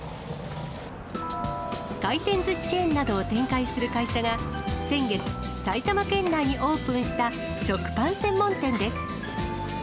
回転ずしチェーンなどを展開する会社が、先月、埼玉県内にオープンした食パン専門店です。